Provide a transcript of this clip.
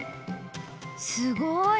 すごい！